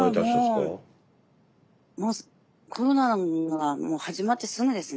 もうコロナがもう始まってすぐですね。